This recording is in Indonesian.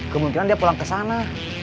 kemungkinan dia pulang kesana